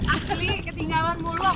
asli ketinggalan mulu aku di belakang